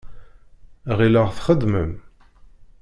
Ɣileɣ txeddmem.